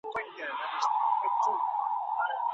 کندن کاري بې لرګي نه کېږي.